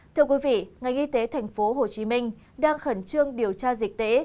thưa quý vị ngành y tế tp hcm đang khẩn trương điều tra dịch tễ